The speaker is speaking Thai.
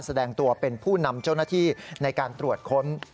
แสดงตัวเป็นผู้นำเจ้าหน้าที่ในการตรวจค้น